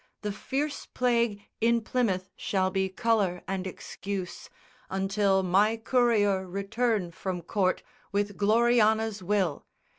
The fierce plague In Plymouth shall be colour and excuse, Until my courier return from court With Gloriana's will.